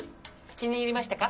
きにいりましたか？